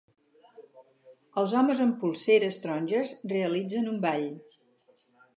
Els homes amb polseres taronges realitzen un ball.